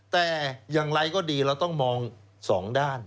แต่อย่างไรก็ดีเราต้องมองสองด้าน